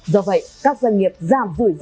do vậy các doanh nghiệp giảm vụi do